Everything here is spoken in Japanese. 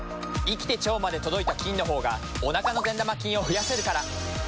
生きて腸まで届いた菌のほうがおなかの善玉菌を増やせるから。